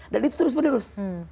dan itu terus menerus